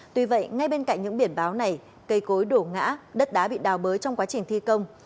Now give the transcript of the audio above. tại những biển báo này cây cối đổ ngã đất đá bị đào bới trong quá trình thi công